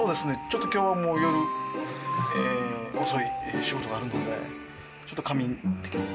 ちょっと今日はもう夜遅い仕事があるのでちょっと仮眠的な。